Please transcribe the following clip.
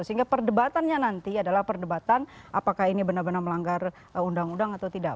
sehingga perdebatannya nanti adalah perdebatan apakah ini benar benar melanggar undang undang atau tidak